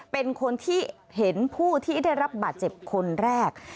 เป็นคนที่เห็นผู้ที่ได้รับบาดเจ็บคนแรก